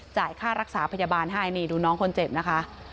ค่ารักษาพยาบาลให้นี่ดูน้องคนเจ็บนะคะ